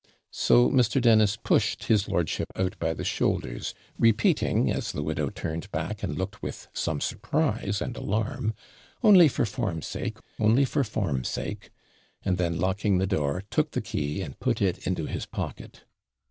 So Mr. Dennis pushed his lordship out by the shoulders, repeating, as the widow turned back and looked with some surprise and alarm, 'Only for form sake, only for form sake!' then locking the door, took the key, and put it into his pocket.